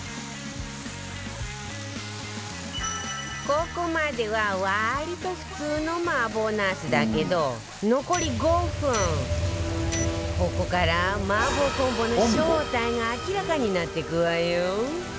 ここまでは割と普通の麻婆茄子だけど残り５分ここから麻婆コンボの正体が明らかになっていくわよ